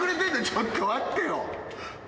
ちょっと待ってよ。